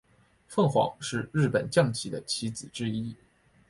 凤凰是日本将棋的棋子之一。